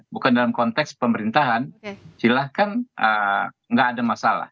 bukan dalam konteks pemerintahan silahkan nggak ada masalah